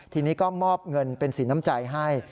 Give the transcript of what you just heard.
ทีนี้ก็มอบเงินเป็นสีน้ำใจให้